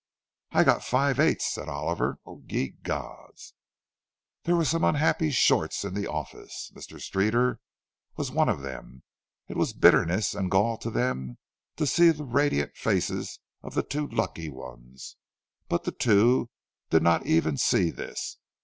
"I got five eighths," said Oliver. "O ye gods!" There were some unhappy "shorts" in the office; Mr. Streeter was one of them. It was bitterness and gall to them to see the radiant faces of the two lucky ones; but the two did not even see this.